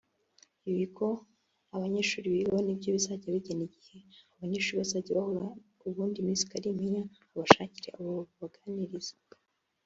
Ibigo abo banyeshuri bigaho nibyo bizajya bigena igihe abo banyeshuri bazajya bahura ubundi Miss Kalimpinya abashakire abo babaganiriza